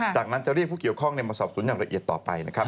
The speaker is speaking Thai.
จากนั้นจะเรียกผู้เกี่ยวข้องมาสอบสวนอย่างละเอียดต่อไปนะครับ